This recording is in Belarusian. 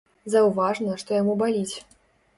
Заўважна, што яму баліць.